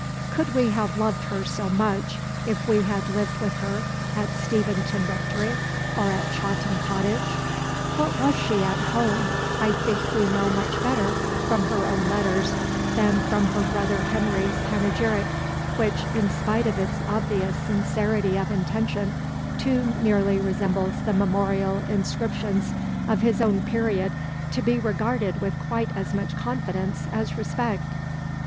Could we have loved her so much if we had lived with her at Steventon Rectory or at Chawton Cottage? What she was at home I think we know much better from her own letters than from her brother Henry's panegyric, which, in spite of its obvious sincerity of intention, too nearly resembles the memorial inscriptions of his own period to be regarded with quite as much confidence as respect.